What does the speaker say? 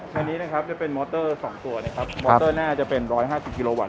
คันนี้จะเป็นมอเตอร์๒ตัวมอเตอร์หน้าจะเป็น๑๕๐กิโลวัตต์